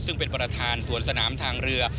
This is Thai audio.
ซึ่งเป็นประธานสวนสนามทางเรือ